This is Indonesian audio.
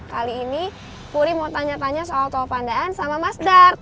kali ini puri mau tanya tanya soal toh pandaan sama mas dart